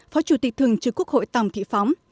phó chủ tịch thường trực quốc hội tòng thị phóng